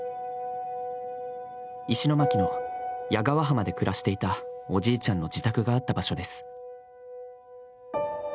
石巻の谷川浜で暮らしていたおじいちゃんの自宅があった場所です。